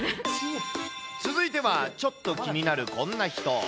続いてはちょっと気になるこんな人。